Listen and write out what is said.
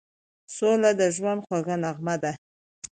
سوله د ژوند خوږه نغمه ده.